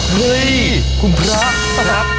เฮ้ยคุณพระปะรัก